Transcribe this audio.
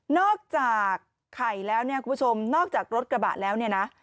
นอกจากไข่แล้วครับคุณผู้ชมนอกจากรถกระบ่าลแล้วนี่นะ